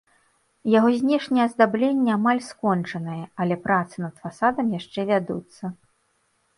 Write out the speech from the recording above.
Яго знешняе аздабленне амаль скончанае, але працы над фасадам яшчэ вядуцца.